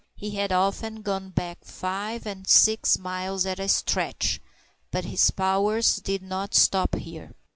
He had often gone back five and six miles at a stretch; but his powers did not stop here.